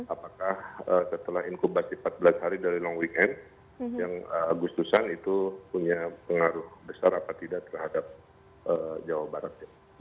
apakah setelah inkubasi empat belas hari dari long weekend yang agustusan itu punya pengaruh besar apa tidak terhadap jawa barat